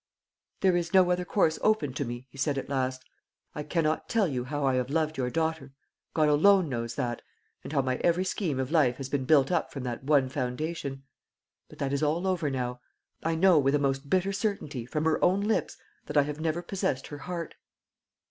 "There is no other course open to me," he said at last. "I cannot tell you how I have loved your daughter God alone knows that and how my every scheme of life has been built up from that one foundation. But that is all over now. I know, with a most bitter certainty, from her own lips, that I have never possessed her heart."